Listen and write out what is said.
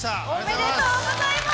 ありがとうございます。